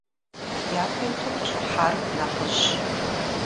Япэ иту къыщӏыхьар нэхъыжьщ.